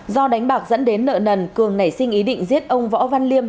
do đánh bạc dẫn đến nợ nần cường nảy sinh ý định giết ông võ văn liêm